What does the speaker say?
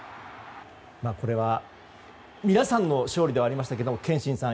これは皆さんの勝利ではありましたが憲伸さん